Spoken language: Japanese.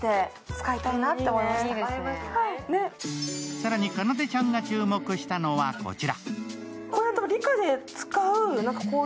更に、かなでちゃんが注目したのはこちら。